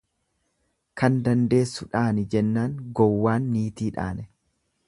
Kan dandeessu dhaani jennaan gowwaan niitii dhaane.